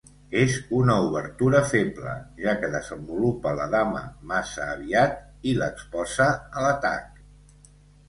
És una obertura feble, ja que desenvolupa la dama massa aviat i l'exposa a l'atac.